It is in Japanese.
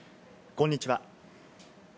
こんにちは。